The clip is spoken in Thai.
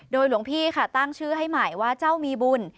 โดยหลวงพี่ค่ะตั้งชื่อให้ใหม่ว่าเจ้ามีบุญ